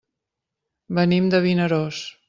Venim de Vinaròs.